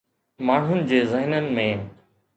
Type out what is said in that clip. ماڻهن جي ذهنن ۾.